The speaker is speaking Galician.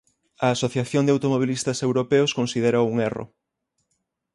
A Asociación de Automobilistas Europeos considérao un erro.